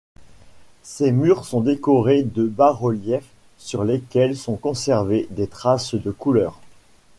Ses murs sont décorés de bas-reliefs sur lesquels sont conservées des traces de couleur.